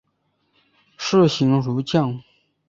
士行如将。